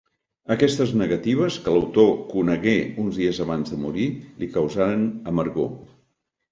Aquestes negatives, que l'autor conegué uns dies abans de morir, li causaren amargor.